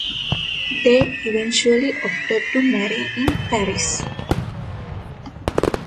They eventually opted to marry in Paris.